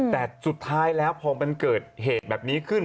แต่สุดท้ายแล้วพอมันเกิดเหตุแบบนี้ขึ้น